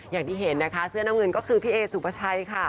อย่างที่เห็นเสื้อน้ำเงินก็คือพี่เอสุประชัย